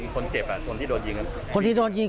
คนเจ็บเหรอนคนที่โดดยิง